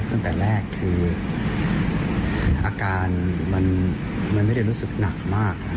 ตั้งแต่แรกคืออาการมันไม่ได้รู้สึกหนักมาก